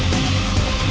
tiga dua satu